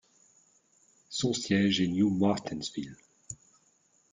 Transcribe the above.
Son siège est New Martinsville.